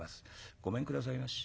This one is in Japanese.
「ごめんくださいまし。